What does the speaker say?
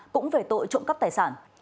cũng về tội trộm cắp tài sản